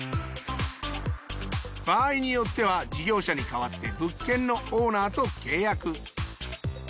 場合によっては事業者に代わって物件のオーナーと契約。